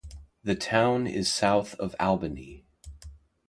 The town is south of Albany.